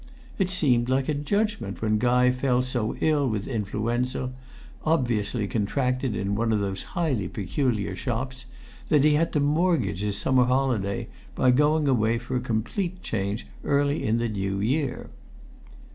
It seemed like a judgment when Guy fell so ill with influenza, obviously contracted in one of those highly peculiar shops, that he had to mortgage his summer holiday by going away for a complete change early in the New Year.